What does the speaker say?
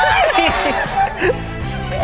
สำหรับคนช่วย